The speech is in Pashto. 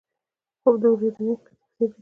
خوب د ورځنیو هیلو تفسیر دی